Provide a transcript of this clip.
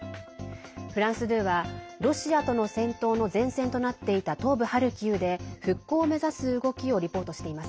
フランス２は、ロシアとの戦闘の前線となっていた東部ハルキウで復興を目指す動きをリポートしています。